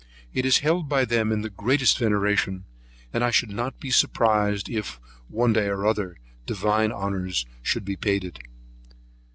It is held by them in the greatest veneration; and I should not be surprised if, one day or other, divine honours should be paid to it.